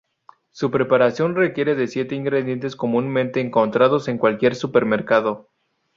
Su preparación requiere de siete ingredientes comúnmente encontrados en cualquier supermercado.